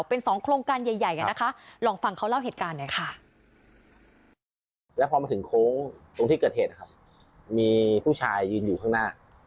เป็นสองโครงการใหญ่นะคะลองฟังเขาเล่าเหตุการณ์หน่อยค่ะ